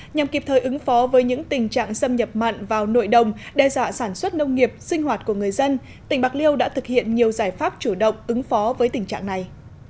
nhằm kịp thời ứng phó với những tình trạng xâm nhập mặn vào nội đồng đe dạ sản xuất nông nghiệp sinh hoạt của người dân tỉnh bạc liêu đã thực hiện nhiều giải pháp chủ động ứng phó với tình trạng này